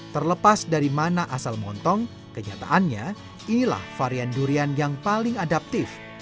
terlepas dari mana asal montong kenyataannya inilah varian durian yang paling adaptif